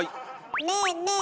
ねえねえ